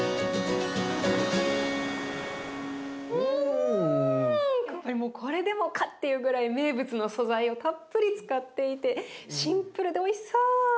やっぱりもうこれでもかっていうぐらい名物の素材をたっぷり使っていてシンプルでおいしそう！